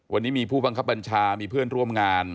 วันนี้มีผู้บังคับบัญชามีเพื่อนร่วมงาน